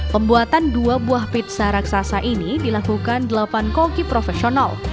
pembuatan dua buah pizza raksasa ini dilakukan delapan koki profesional